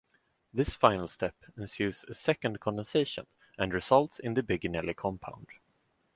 This final step ensues a second condensation and results in the Biginelli compound.